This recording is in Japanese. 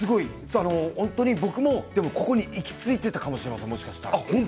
本当に僕もここに行き着いていたかもしれません、もしかしたら。